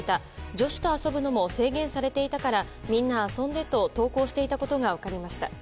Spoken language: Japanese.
女子と遊ぶのも制限されていたからみんな遊んでと投稿していたことが分かりました。